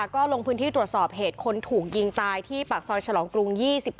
ก็ลงพื้นที่ตรวจสอบเหตุคนถูกยิงตายที่ปากซอยฉลองกรุง๒๗